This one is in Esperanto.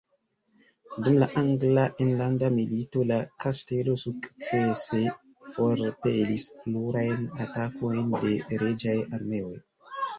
Dum la angla enlanda milito la kastelo sukcese forpelis plurajn atakojn de reĝaj armeoj.